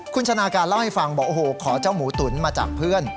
คุณชนะการเล่าให้ฟังบอกโอ้โหขอเจ้าหมูตุ๋นมาจากเพื่อน